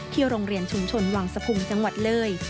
ที่โรงเรียนชุมชนวังสภูมิจังหวัดเลย